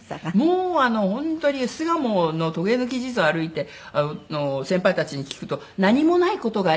もう本当に巣鴨のとげぬき地蔵歩いて先輩たちに聞くと「何もない事がいい事」